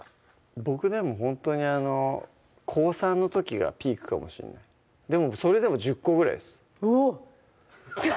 僕でもほんとに高３の時がピークかもしんないでもそれでも１０個ぐらいですおぉ！